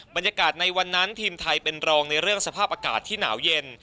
บรรยากาศในวันนั้นทีมไทยเป็นรองในเรื่องสภาพอากาศที่หนาวเย็น